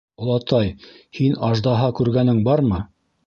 — Олатай, һин аждаһа күргәнең бармы?